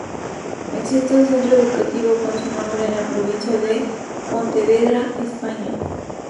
Existe un centro educativo con su nombre en la provincia de Pontevedra, España.